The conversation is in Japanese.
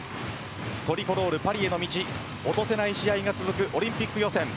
トリコロール、パリへの道落とせない試合が続くオリンピック予選。